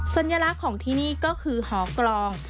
สัญลักษณ์ของที่นี่ก็คือหอกลอง